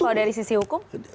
kalau dari sisi hukum